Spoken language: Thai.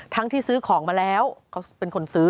ที่ซื้อของมาแล้วเขาเป็นคนซื้อ